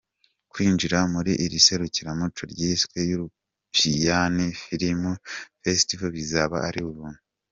Kwinjira muri iri serukiramuco ryiswe yuropiyani Filimu Fesitivo bizaba ari ubuntu.